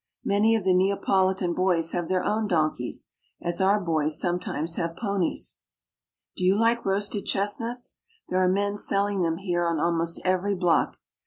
Many of the Neapolitan boys have their own donkeys, as our boys sometimes have ponies. Do you like roasted chestnuts ? There are men selling them here on almost every block.